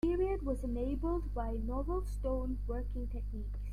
The period was enabled by novel stone working techniques.